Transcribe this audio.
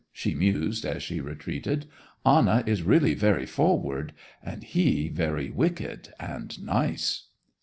she mused as she retreated. 'Anna is really very forward—and he very wicked and nice.